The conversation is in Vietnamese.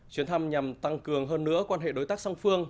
chuyến thăm nhằm tăng cường hơn nữa quan hệ đối tác song phương